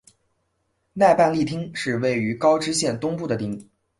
奈半利町是位于高知县东部的町。